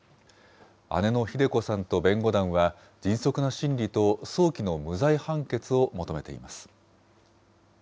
姉のひで子さんと弁護団は、迅速な審理と早期の無罪判決を求めています。